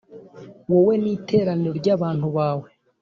wowe n iteraniro ry abantu bawe